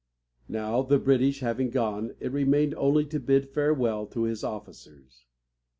Now, the British having gone, it remained only to bid farewell to his officers.